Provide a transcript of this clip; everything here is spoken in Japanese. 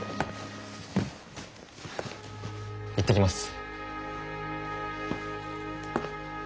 行ってきます。